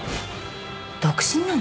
独身なの？